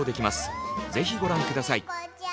ぜひご覧下さい。